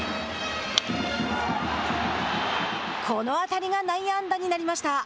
この当たりが内野安打になりました。